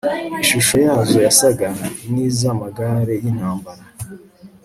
Ishusho yazo yasaga n iz amagare y intambara